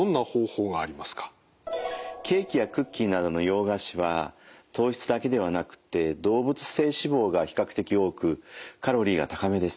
ケーキやクッキーなどの洋菓子は糖質だけではなくて動物性脂肪が比較的多くカロリーが高めです。